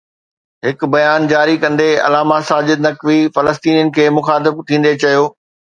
هڪ بيان جاري ڪندي علامه ساجد نقوي فلسطينين کي مخاطب ٿيندي چيو